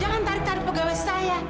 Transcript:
jangan tarik tarik pegawai saya